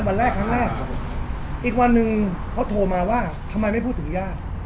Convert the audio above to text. วันแรกครั้งแรกอีกวันหนึ่งเขาโทรมาว่าทำไมไม่พูดถึงญาติ